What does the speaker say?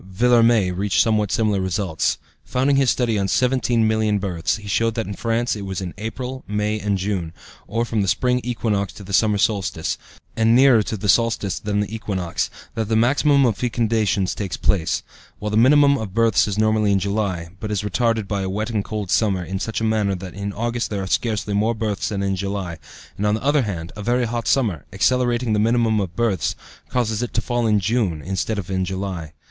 Villermé reached somewhat similar results. Founding his study on 17,000,000 births, he showed that in France it was in April, May, and June, or from the spring equinox to the summer solstice, and nearer to the solstice than the equinox, that the maximum of fecundations takes place; while the minimum of births is normally in July, but is retarded by a wet and cold summer in such a manner that in August there are scarcely more births than in July, and, on the other hand, a very hot summer, accelerating the minimum of births, causes it to fall in June instead of in July.